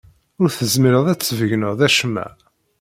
Ur tezmireḍ ad sbeggneḍ acemma.